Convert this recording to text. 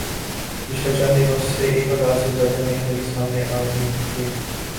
پچھلے چند دنو ں سے ایک ہزار سے زیادہ نئے مریض سامنے آرہے تھے